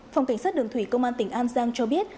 phòng cảnh sát đường thủy công an tỉnh an giang cho biết